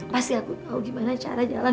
pasti aku tahu gimana cara jalan